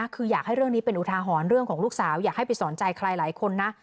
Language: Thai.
คืออยากให้เรื่องนี้เป็นอุทาหรณ์เรื่องของลูกสาวอยากให้ไปสอนใจใครหลายคนนะ